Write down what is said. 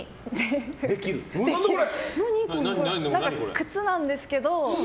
靴なんですけど。